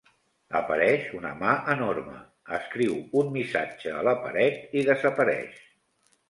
Apareix una mà enorme, escriu un missatge a la paret i desapareix.